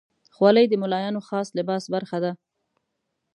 خولۍ د ملایانو خاص لباس برخه ده.